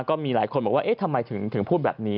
ก็มีหลายคนบอกว่าเอ๊ะทำไมถึงพูดแบบนี้